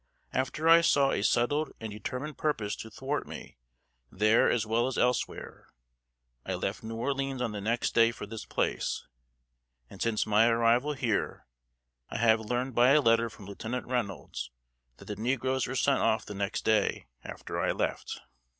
After I saw a settled and determined purpose to thwart me there as well as elsewhere, I left New Orleans on the next day for this place, and since my arrival here, I have learned by a letter from Lieutenant Reynolds, that the negroes were sent off the next day after I left."